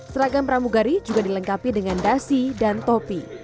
seragam pramugari juga dilengkapi dengan dasi dan topi